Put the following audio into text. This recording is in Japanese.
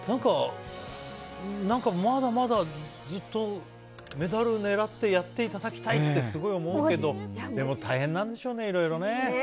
何かまだまだずっとメダル狙ってやっていただきたいってすごく思うけどでも、大変なんでしょうねいろいろね。